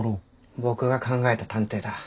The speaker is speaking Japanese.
僕が考えた探偵だ。